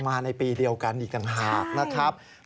มาในปีเดียวกันอีกกันหากนะครับใช่